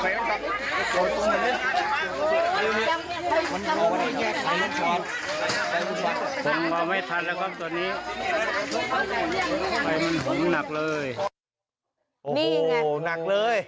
โอ้โหหนักเลย